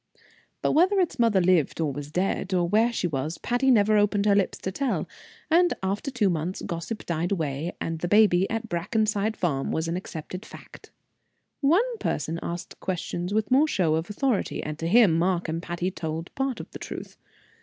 But whether its mother lived or was dead, or where she was, Patty never opened her lips to tell; and, after two months, gossip died away, and the baby at Brackenside Farm was an accepted fact. One person asked questions with more show of authority, and to him Mark and Patty told part of the truth.